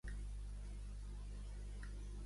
Cook de l'holandesa Anna Enquist.